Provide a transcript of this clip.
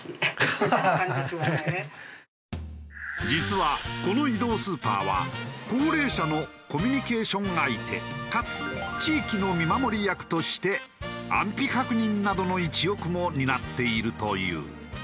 実はこの移動スーパーは高齢者のコミュニケーション相手かつ地域の見守り役として安否確認などの一翼も担っているという。